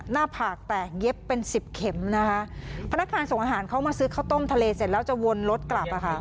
หน้าผากแตกเย็บเป็นสิบเข็มนะคะพนักงานส่งอาหารเขามาซื้อข้าวต้มทะเลเสร็จแล้วจะวนรถกลับอ่ะค่ะ